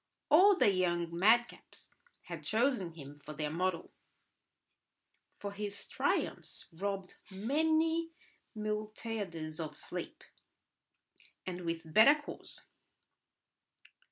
All the young madcaps had chosen him for their model; for his triumphs robbed many a Miltiades of sleep, and with better cause.